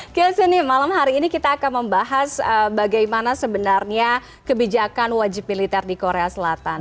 ke sini malam hari ini kita akan membahas bagaimana sebenarnya kebijakan wajib militer di korea selatan